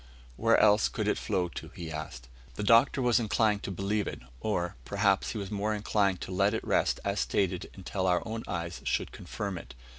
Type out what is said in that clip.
"Where else could it flow to?" he asked. The Doctor was inclined to believe it, or, perhaps he was more inclined to let it rest as stated until our own eyes should confirm it.